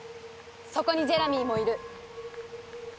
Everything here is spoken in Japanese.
そこにジェラミーもいる。